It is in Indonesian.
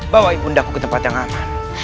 bawa ibu ndaku ke tempat yang aman